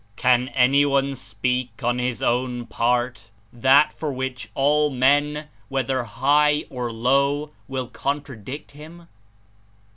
Can any one speak on his own part that for which all men, whether high or low, will contradict him?